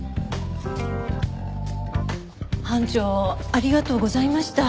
班長ありがとうございました。